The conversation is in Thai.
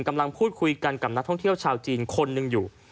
กำลังพูดคุยกันกับนักท่องเที่ยวชาวจีนคนหนึ่งอยู่